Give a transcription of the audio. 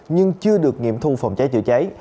nhưng chưa được nghiệm thu phòng cháy chữa cháy